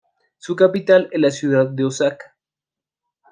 Su capital es la ciudad de Osaka.